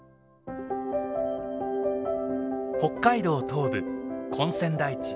北海道東部根釧台地。